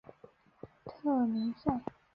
特尼塞。